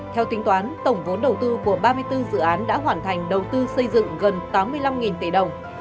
theo tính toán tổng vốn đầu tư của ba mươi bốn dự án đã hoàn thành đầu tư xây dựng gần tám mươi năm tỷ đồng